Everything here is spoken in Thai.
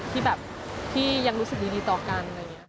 ที่แบบที่ยังรู้สึกดีต่อกัน